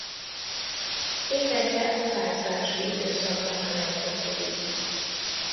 Éneke a párzási időszakban a leggyakoribb.